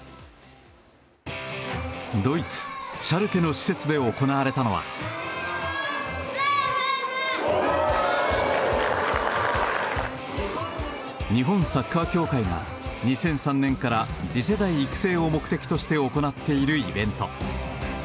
ドイツ・シャルケの施設で行われたのは日本サッカー協会が２００３年から次世代育成を目的として行っているイベント。